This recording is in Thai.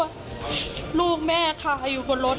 ดีกว่าจะได้ตัวคนร้าย